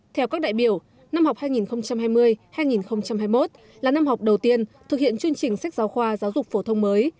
theo các đại biểu năm học hai nghìn hai mươi hai nghìn hai mươi một là năm học đầu tiên thực hiện chương trình sách giáo khoa giáo dục phổ thông mới